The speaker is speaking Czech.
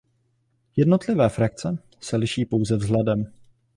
Jednotlivé frakce se liší pouze vzhledem.